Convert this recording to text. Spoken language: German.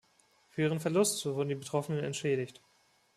Für ihren Verlust wurden die Betroffenen entschädigt.